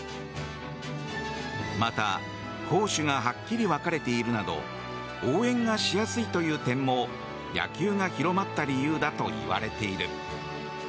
また、攻守がはっきり分かれているなど応援がしやすいという点も野球が広まった理由だといわれている。